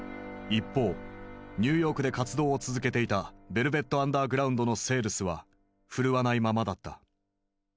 一方ニューヨークで活動を続けていたヴェルヴェット・アンダーグラウンドのセールスは振るわないままだった。